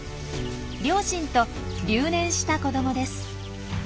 両親と留年した子どもです。